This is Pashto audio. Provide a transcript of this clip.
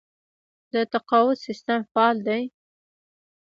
د تقاعد سیستم فعال دی؟